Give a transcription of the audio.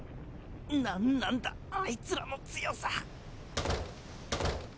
何なんだあいつらの強さ。